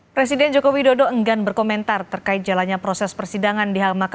presiden jokowi dodo enggan berkomentar terkait jalannya proses persiapan